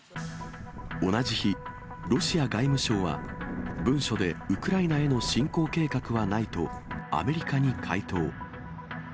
同じ日、ロシア外務省は、文書でウクライナへの侵攻計画はないと、アメリカに回答。